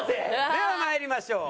ではまいりましょう。